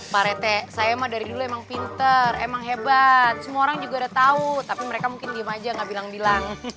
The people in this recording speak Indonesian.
pak rete saya mah dari dulu emang pinter emang hebat semua orang juga udah tahu tapi mereka mungkin diem aja gak bilang bilang